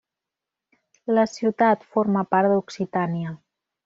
La ciutat forma part d'Occitània.